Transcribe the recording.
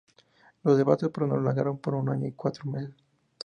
Los debates se prolongaron por un año y cuatro meses.